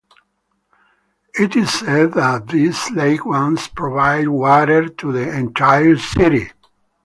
It is said that this lake once provided water to the entire city.